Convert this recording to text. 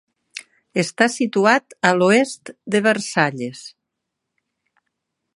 Està situat a l'oest de Versalles.